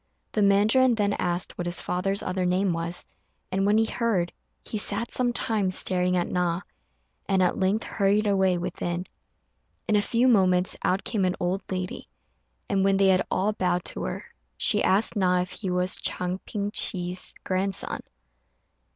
The mandarin then asked what his father's other name was, and when he heard, he sat some time staring at Na, and at length hurried away within. In a few moments out came an old lady, and when they had all bowed to her, she asked Na if he was Chang Ping chih's grandson.